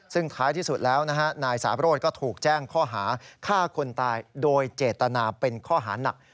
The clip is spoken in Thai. ซึ่งท้ายที่สุดแล้วนะฮะนายสาโรธก็ถูกแจ้งข้อหาฆ่าคนตายโดยเจตนาเป็นข้อหานัก